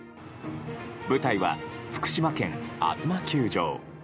舞台は、福島県あづま球場。